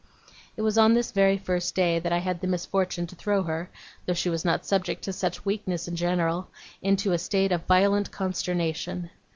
It was on this very first day that I had the misfortune to throw her, though she was not subject to such weakness in general, into a state of violent consternation.